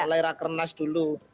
mulai rakernas dulu